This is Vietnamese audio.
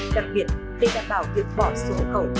đặc biệt để đảm bảo việc bỏ số hộ cầu